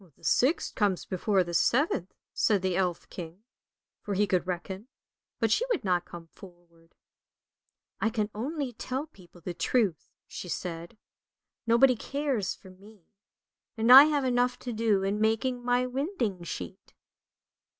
"" The sixth comes before the seventh," said the elf king, for he could reckon, but she would not come forward. " I can only tell people the truth," she said. " Nobody cares for me, and I have enough to do in making my winding sheet."